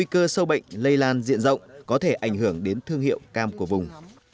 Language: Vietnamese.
cơ sâu bệnh lây lan diện rộng có thể ảnh hưởng đến thương hiệu cam của vùng